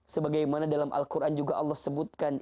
sebagaimana dalam al quran juga allah sebutkan